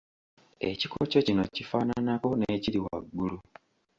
Ekikoco kino kifaananako n’ekiri waggulu.